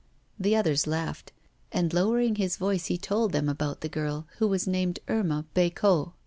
The others laughed; and lowering his voice he told them about the girl, who was named Irma Bécot.